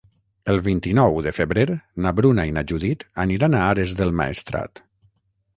El vint-i-nou de febrer na Bruna i na Judit aniran a Ares del Maestrat.